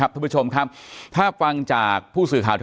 อย่างที่บอกไปว่าเรายังยึดในเรื่องของข้อ